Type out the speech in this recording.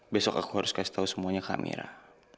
besok aku harus kasih tahu semuanya ke amirah